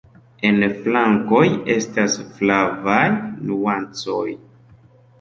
En flankoj estas flavaj nuancoj.